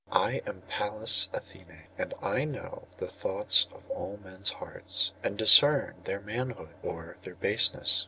'I am Pallas Athené; and I know the thoughts of all men's hearts, and discern their manhood or their baseness.